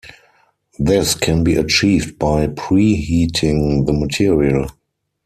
This can be achieved by preheating the material.